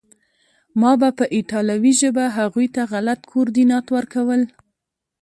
ما به په ایټالوي ژبه هغوی ته غلط کوردینات ورکول